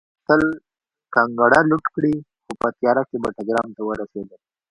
غلو غوښتل کانګړه لوټ کړي خو په تیاره کې بټګرام ته ورسېدل